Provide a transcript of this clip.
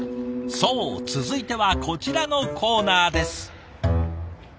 そう続いてはこちらのコーナーです。